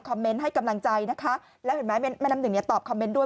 คอมเมนต์ให้กำลังใจนะคะแล้วแม่น้ำหนึ่งตอบคอมเมนต์ด้วย